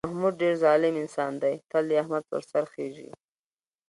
محمود ډېر ظالم انسان دی، تل د احمد په سر خېژي.